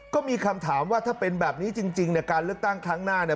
ก็มีคำถามว่าถ้าเป็นแบบนี้จริงเนี่ยการเลือกตั้งครั้งหน้าเนี่ย